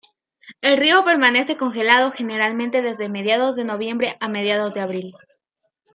El río permanece congelado generalmente desde mediados de noviembre a mediados de abril.